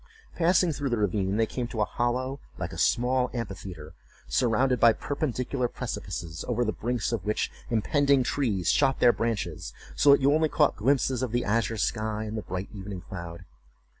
Passing through the ravine, they came to a hollow, like a small amphitheatre, surrounded by perpendicular precipices, over the brinks of which impending trees shot their branches, so that you only caught glimpses of the azure sky and the bright evening cloud.